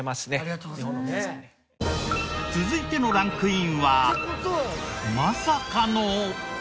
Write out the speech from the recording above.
続いてのランクインはまさかの。